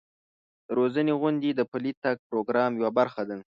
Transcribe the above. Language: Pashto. د روزنې غونډې د پلي تګ پروګرام یوه برخه ده.